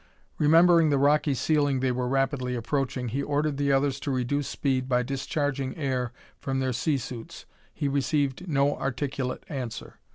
Remembering the rocky ceiling they were rapidly approaching, he ordered the others to reduce speed by discharging air from their sea suits. He received no articulate answer.